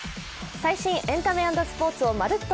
最新エンタメ＆スポーツをまるっと！